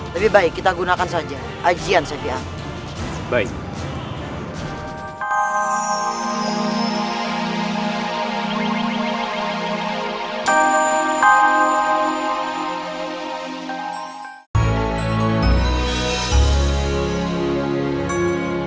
tapi baik kita gunakan saja ajian saya baik